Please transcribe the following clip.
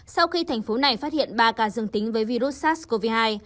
sau khi thành phố này phát hiện ba ca dương tính với virus sars cov hai